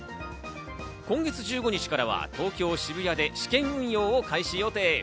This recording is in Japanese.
今月１５日からは東京・渋谷で試験運用を開始予定。